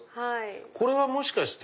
これはもしかして。